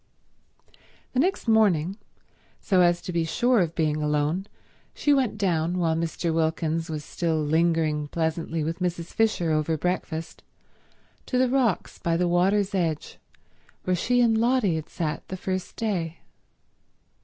The next morning, so as to be sure of being alone, she went down, while Mr. Wilkins was still lingering pleasantly with Mrs. Fisher over breakfast, to the rocks by the water's edge where she and Lotty had sat the first day.